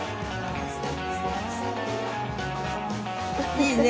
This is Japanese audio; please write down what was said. いいね。